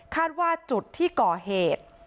คาดว่าจุดที่เกาะเหตุ